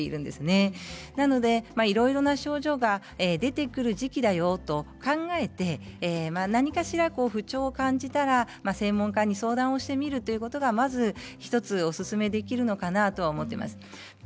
ですので、いろいろな症状が出てくる時期だよと考えて何かしら不調を感じたら専門家に相談をしてみるということがまず１つおすすめできるのかなと思っています。